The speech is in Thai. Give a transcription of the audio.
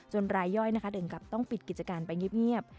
รายย่อยถึงกับต้องปิดกิจการไปเงียบ